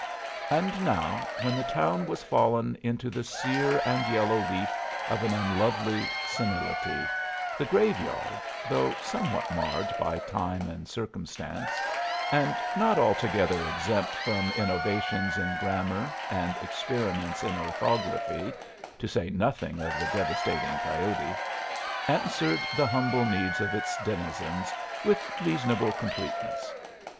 And now, when the town was fallen into the sere and yellow leaf of an unlovely senility, the graveyard though somewhat marred by time and circumstance, and not altogether exempt from innovations in grammar and experiments in orthography, to say nothing of the devastating coyote answered the humble needs of its denizens with reasonable completeness.